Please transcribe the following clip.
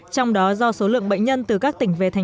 trong đó do số lượng bệnh nhân từ các tỉnh về tp hcm